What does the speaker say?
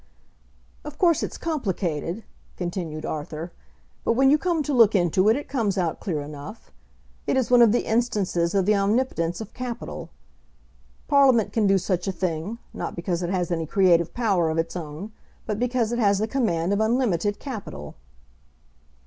"Of course it's complicated," continued Arthur, "but when you come to look into it it comes out clear enough. It is one of the instances of the omnipotence of capital. Parliament can do such a thing, not because it has any creative power of its own, but because it has the command of unlimited capital."